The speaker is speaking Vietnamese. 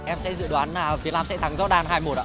em sẽ dự đoán việt nam sẽ thắng jordan hai một ạ